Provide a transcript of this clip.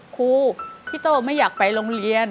ครูพี่โต้ไม่อยากไปโรงเรียน